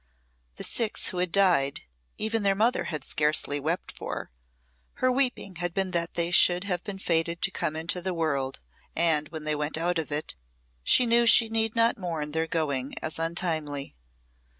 The six who had died, even their mother had scarcely wept for; her weeping had been that they should have been fated to come into the world, and when they went out of it she knew she need not mourn their going as untimely.